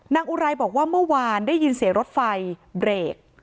อุไรบอกว่าเมื่อวานได้ยินเสียงรถไฟเบรก